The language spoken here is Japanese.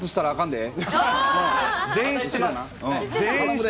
全員知ってます。